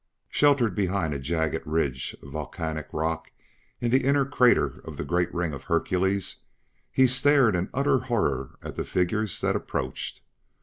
Sheltered behind a jagged ridge of volcanic rock in the inner crater of the great ring of Hercules, he stared in utter horror at the figures that approached.